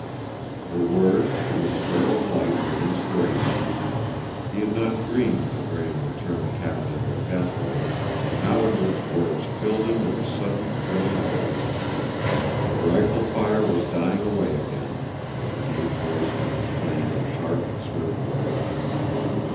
Her words and the square of light were an inspiration. He had not dreamed that Graham would turn the cabin into a death hole, and Nawadlook's words filled him with a sudden thrilling hope. The rifle fire was dying away again as he gave voice to his plan in sharp, swift words.